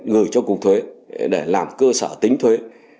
gửi cho cục thuế để làm cơ sở tính thuế